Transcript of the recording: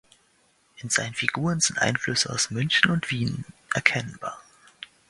In seinen Figuren sind Einflüsse aus München und Wien erkennbar.